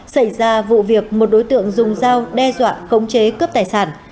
xảy ra vụ việc một đối tượng dùng dao đe dọa khống chế cướp tài sản